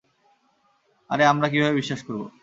আরে আমরা কিভাবে বিশ্বাস করব?